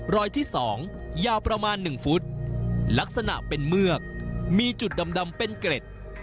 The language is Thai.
ที่๒ยาวประมาณ๑ฟุตลักษณะเป็นเมือกมีจุดดำเป็นเกร็ด